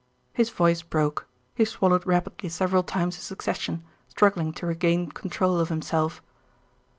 His voice broke. He swallowed rapidly several times in succession, struggling to regain control of himself.